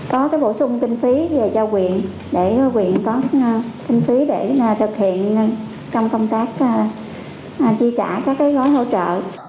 có bổ sung kinh phí về cho quyền để quyện có kinh phí để thực hiện trong công tác chi trả các gói hỗ trợ